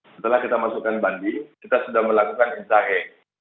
setelah kita masukkan banding kita sudah melakukan incahe